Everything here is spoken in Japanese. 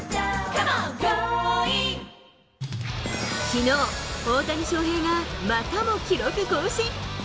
きのう、大谷翔平がまたも記録更新。